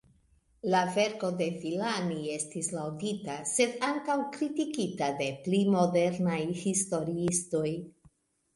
La verko de Villani estis laŭdita, sed ankaŭ kritikita de pli modernaj historiistoj.